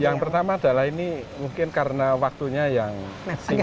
yang pertama adalah ini mungkin karena waktunya yang singkat